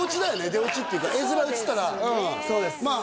出オチっていうか絵面映ったらそうですまあ